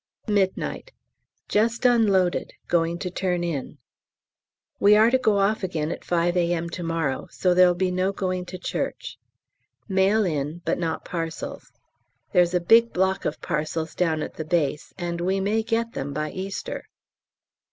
Midnight. Just unloaded, going to turn in; we are to go off again at 5 A.M. to morrow, so there'll be no going to church. Mail in, but not parcels; there's a big block of parcels down at the base, and we may get them by Easter.